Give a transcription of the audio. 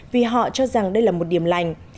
vì họ cho rằng đây là một điểm lành